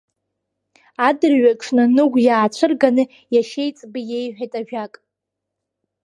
Адырҩаҽны Ныгә иаацәырганы иашьеиҵбы иеиҳәеит ажәак…